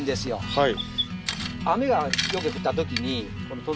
はい。